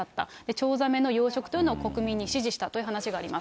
チョウザメの養殖というのを、国民に指示したという話があります。